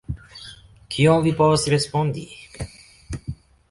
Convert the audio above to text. Kion vi povas respondi.